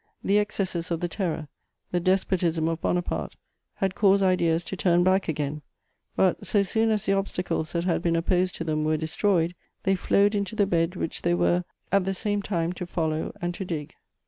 The excesses of the Terror, the despotism of Bonaparte had caused ideas to turn back again; but, so soon as the obstacles that had been opposed to them were destroyed, they flowed into the bed which they were at the at same time to follow and to dig.